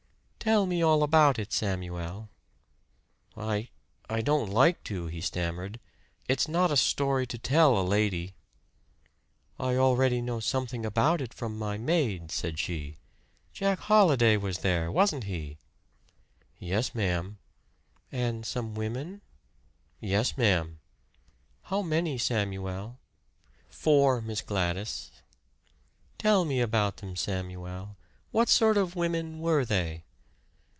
"Tell me all about it, Samuel." "I I don't like to," he stammered. "It's not a story to tell to a lady." "I already know something about it from my maid," said she. "Jack Holliday was there, wasn't he?" "Yes, ma'am." "And some women?" "Yes, ma'am." "How many, Samuel?" "Four, Miss Gladys." "Tell me about them, Samuel. What sort of women were they?"